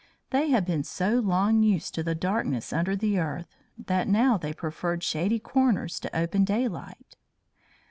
They had been so long used to the darkness under the earth that now they preferred shady corners to open daylight.